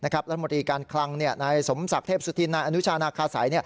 รัฐมนตรีการคลังนายสมศักดิ์เทพสุธินนายอนุชานาคาสัย